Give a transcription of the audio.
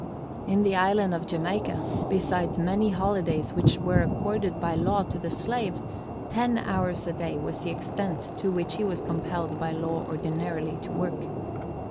In the Island of Jamaica, besides many holidays which were accorded by law to the slave, ten hours a day was the extent to which he was compelled by law ordinarily to work.